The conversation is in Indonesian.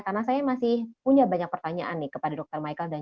karena saya masih punya banyak pertanyaan nih kepada dr mbak ika